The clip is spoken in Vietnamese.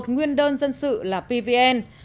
một nguyên đơn dân sự là pvn